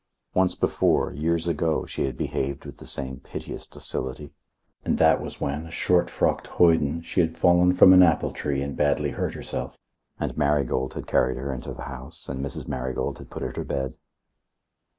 Once before, years ago, she had behaved with the same piteous docility; and that was when, a short frocked maiden, she had fallen from an apple tree and badly hurt herself, and Marigold had carried her into the house and Mrs. Marigold had put her to bed....